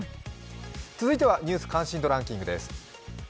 続いては「ニュース関心度ランキング」です。